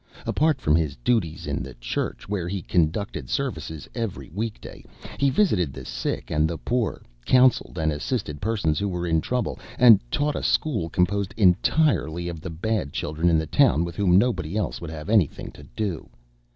Apart from his duties in the church, where he conducted services every week day, he visited the sick and the poor, counseled and assisted persons who were in trouble, and taught a school composed entirely of the bad children in the town with whom nobody else would have anything to do.